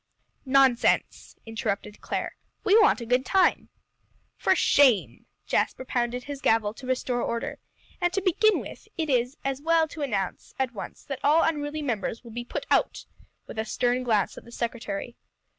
"Nonsense!" interrupted Clare, "we want a good time." "For shame!" Jasper pounded his gavel to restore order. "And to begin with, it is as well to announce at once that all unruly members will be put out," with a stern glance at the secretary.